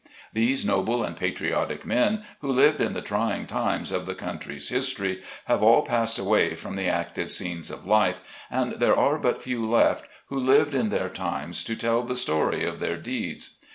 These noble and patriotic men, who lived in the try ing times of the country's history, have all passed away from the active scenes of life, and there are but few left, who lived in their times, to tell the story of their deeds.